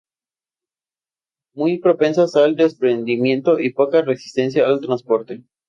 Muy propensas al desprendimiento, y poca resistencia al transporte.